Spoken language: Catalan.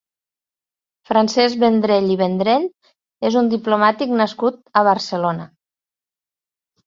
Francesc Vendrell i Vendrell és un diplomàtic nascut a Barcelona.